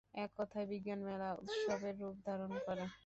এক কথায় বিজ্ঞান মেলা উৎসবের রূপ ধারণ করে।